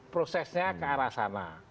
prosesnya ke arah sana